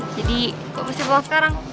jadi gue mesti pulang sekarang